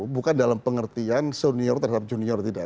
bukan dalam pengertian senior terhadap junior tidak